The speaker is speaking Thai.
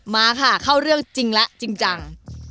มาค่ะเข้าเรื่องจริงแล้วจริงจัง